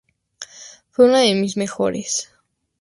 Fue una de mis mejores".